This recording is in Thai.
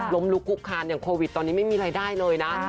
ลุกคุกคานอย่างโควิดตอนนี้ไม่มีรายได้เลยนะ